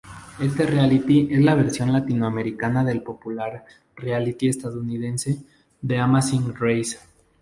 Este reality es la versión latinoamericana del popular reality estadounidense The Amazing Race.